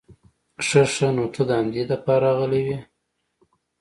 خه خه نو ته د همدې د پاره راغلې وې؟